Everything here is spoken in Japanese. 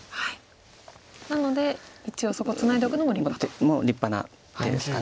なので一応そこツナいでおくのも立派と。も立派な手ですか。